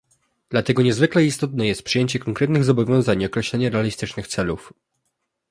Dlatego niezwykle istotne jest przyjęcie konkretnych zobowiązań i określenie realistycznych celów